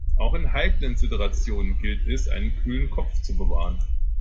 Auch in heiklen Situationen gilt es, einen kühlen Kopf zu bewahren.